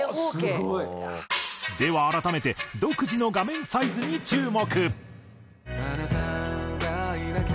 では改めて独自の画面サイズに注目。